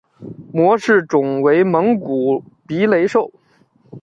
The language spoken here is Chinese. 模式种为蒙古鼻雷兽。